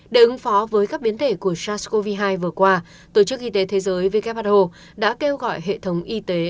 để ứng phó với các biến thể của sars cov hai vừa qua tổ chức y tế thế giới who đã kêu gọi hệ thống y tế